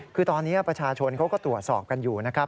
คือตอนนี้ประชาชนเขาก็ตรวจสอบกันอยู่นะครับ